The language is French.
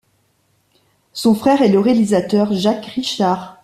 Son frère est le réalisateur Jacques Richard.